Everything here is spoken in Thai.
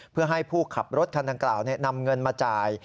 เพื่อให้ผู้ขับรถคันดังกล่าวนำเงินมาจ่าย